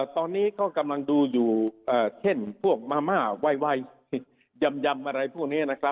ตอนนี้ก็กำลังดูอยู่เช่นพวกมาม่าไวยำอะไรพวกนี้นะครับ